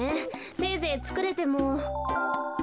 せいぜいつくれても。